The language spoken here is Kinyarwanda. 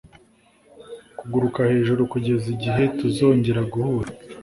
kuguruka hejuru, kugeza igihe tuzongera guhura,